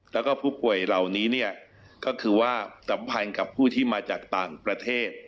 แล้วก็ผู้ป่วยเหล่านี้เนี่ยก็คือว่าสัมพันธ์กับผู้ที่มาจากต่างประเทศ